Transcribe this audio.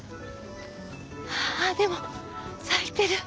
あぁでも咲いてる。